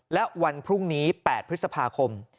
และวันพรุ่งนี้๘พฤษภาคม